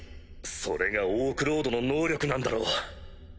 それがオークロードの能力なんだろう。